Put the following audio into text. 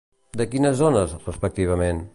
De quines zones, respectivament?